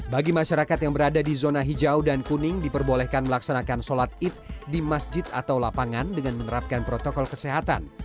bagi masyarakat yang berada di zona hijau dan kuning diperbolehkan melaksanakan sholat id di masjid atau lapangan dengan menerapkan protokol kesehatan